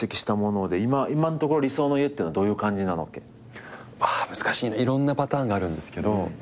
うわっ難しいないろんなパターンがあるんですけど。